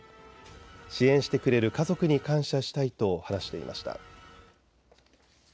支援してくれる家族に感謝したいと話していました。